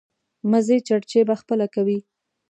مزې چړچې په خپله کوي.